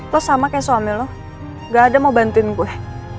lo sama kayak suami lu gak ada mau bantuin gue